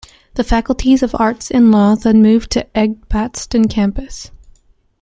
The Faculties of Arts and Law then moved to the Edgbaston Campus.